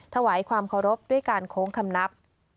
ถวายความเคารพด้วยการโค้งคำนับ